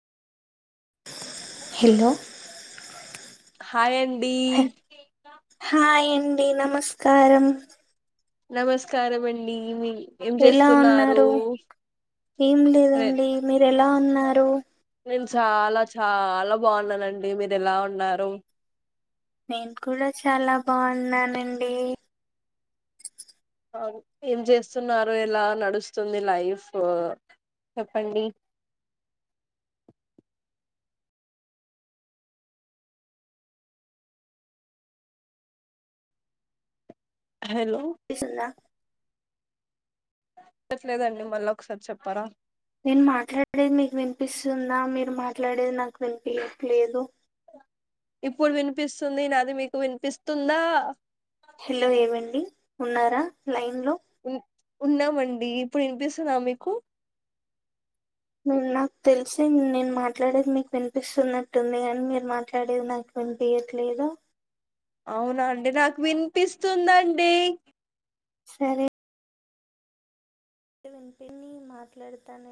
hello హాయండి hi అండి నమస్కారం నమస్కారం అండి మీ ఏం ఎలా చేస్తున్నారు ఉన్నారు ఏం అదే లేదండి మీరు ఎలా ఉన్నారు నేను చాలా చాలా బాగున్నానండి మీరు ఎలా ఉన్నారు నేను కూడా చాలా బాగున్నానండి ఏం చేస్తున్నారు ఎలా నడుస్తుంది లైఫ్ చెప్పండి అ హలో స్తుందా ట్లేదండి మళ్ళీ ఒకసారి చెప్పారా నేను మాట్లాడేది మీకు వినిపిస్తుంద మీరు మాట్లాడేది నాకు వినిపియట్లేదు ఇప్పుడు వినిపిస్తుంది నాది మీకు వినిపిస్తుందా హలో ఏవండి ఉన్నారా లైన్ లో ఉన్నామండి ఇప్పుడు వినిపిస్తున్నా మీకు నేను నాకు తెలిసి నేను మాట్లాడేది మీకు వినిపిస్తున్నట్టుంది అని మీరు మాట్లాడేది నాకు వినిపయట్లేదుా అవునండి నాకు వినిపిస్తుందండి సరే తింటేనే మాట్లాడతాను